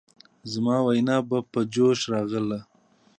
زما وينه به په جوش راغله.